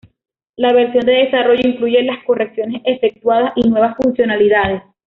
La versión de desarrollo incluye las correcciones efectuadas y nuevas funcionalidades.